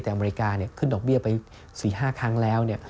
แต่อเมริกาขึ้นดอกเบี้ยไป๔๕ครั้งแล้ว